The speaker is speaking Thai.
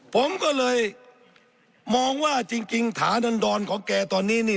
ผมก็เลยมองว่าจริงถาดรของแกตอนนี้นี่